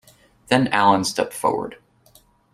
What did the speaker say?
Then Allen stepped forward.